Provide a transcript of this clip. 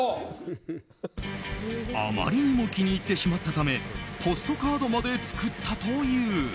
あまりにも気に入ってしまったためポストカードまで作ったという。